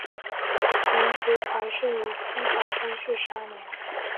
王竹怀生于清朝光绪十二年。